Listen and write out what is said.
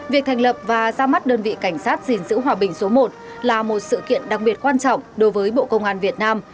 việc thành lập và ra mắt đơn vị cảnh sát gìn giữ hòa bình số một là một sự kiện đặc biệt quan trọng đối với bộ công an việt nam